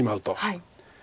はい。